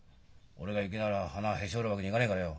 俺がいきなり鼻をへし折るわけにいかねえからよ。